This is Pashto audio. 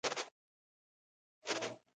د حکومت لښکرې هم په زرو باندې روږدې دي.